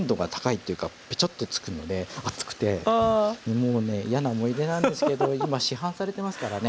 もうね嫌な思い出なんですけど今市販されてますからね。